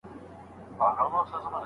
د ټولني حقيقي عايد تل وده کوي.